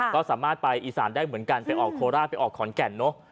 ก็สามารถไปอีสานได้เหมือนกันไปออกโคราชไปออกขอนแก่นเนอะ